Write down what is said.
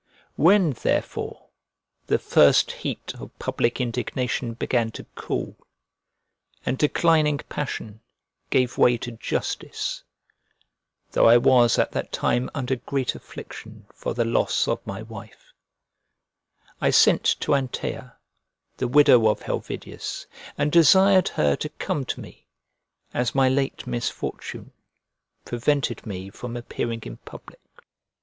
When therefore the first heat of public indignation began to cool, and declining passion gave way to justice, though I was at that time under great affliction for the loss of my wife, I sent to Anteia, the widow of Helvidius, and desired her to come to me, as my late misfortune prevented me from appearing in public.